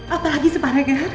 apalagi sih pak rager